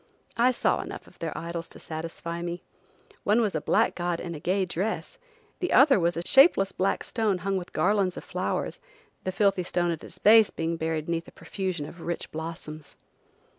I saw enough of their idols to satisfy me. One was a black god in a gay dress, the other was a shapeless black stone hung with garlands of flowers, the filthy stone at its base being buried 'neath a profusion of rich blossoms.